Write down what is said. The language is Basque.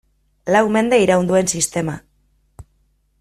Lau mende iraun duen sistema.